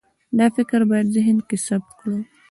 دا فکر باید ذهن کې ثبت کړو.